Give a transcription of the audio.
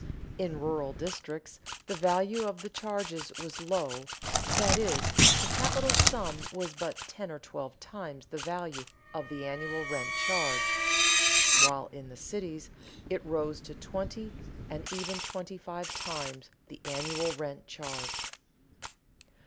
In rural districts the value of the charges was low, that is, the capital sum was but ten or twelve times the value of the annual rent charge; while in the cities it rose to twenty and even twenty five times the annual rent charge.